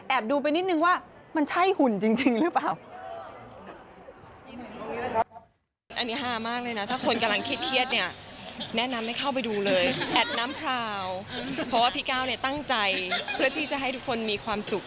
ดูไปนิดนึงว่ามันใช่หุ่นจริงหรือเปล่า